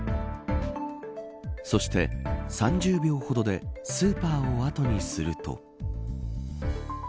そして、３０秒ほどでスーパーを後にすると。